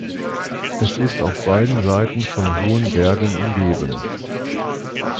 Es ist auf beiden Seiten von hohen Bergen umgeben.